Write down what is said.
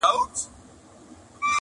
د تیارې غېږي ته درومم -